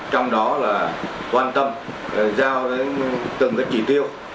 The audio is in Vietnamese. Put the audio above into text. trong đó là quan tâm giao đến từng cái chỉ tiêu